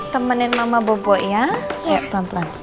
temenin mama bobo ya ayo pelan pelan